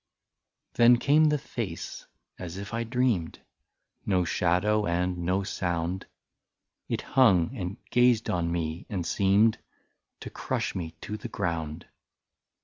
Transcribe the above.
'* Then came the face ; as if I dreamed, No shadow, and no sound ; It hung, and gazed on me, and seemed To crush me to the ground.